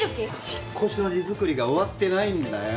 引っ越しの荷造りが終わってないんだよ。